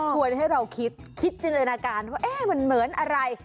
ให้เราคิดคิดจินตนาการว่าเอ๊ะมันเหมือนอะไร